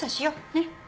ねっ。